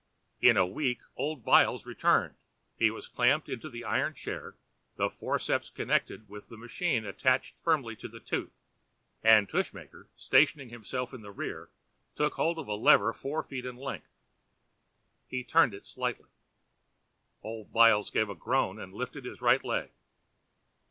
In a week old Byles returned; he was clamped into the iron chair, the forceps connected with the machine attached firmly to the tooth, and Tushmaker, stationing himself in the rear, took hold of a lever four feet in length. He turned it slightly. Old Byles gave a groan and lifted his right leg.